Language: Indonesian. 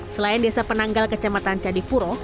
selain desa penanggal kecamatan candipuro